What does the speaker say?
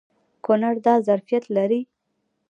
کونړ دا ظرفیت لري.